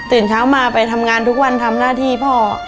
เช้ามาไปทำงานทุกวันทำหน้าที่พ่อ